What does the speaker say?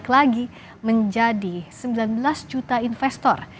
lagi menjadi sembilan belas juta investor